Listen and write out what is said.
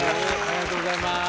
ありがとうございます。